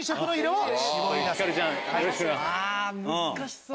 難しそう。